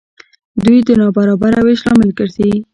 دوی د نابرابره وېش لامل ګرځي.